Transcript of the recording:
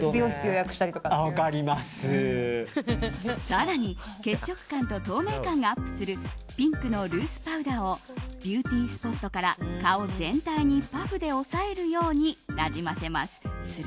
更に血色感と透明感がアップするピンクのルースパウダーをビューティースポットから顔全体に、パフで押さえるようになじませます。